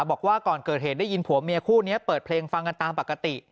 บอกว่าก่อนเกิดเหตุได้ยินผัวเมียคู่นี้เปิดเพลงฟังกันตามปกติ